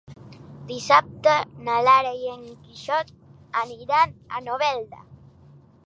Dissabte na Lara i en Quixot aniran a Novelda.